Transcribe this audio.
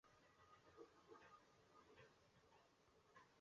该组织的总部位于太子港。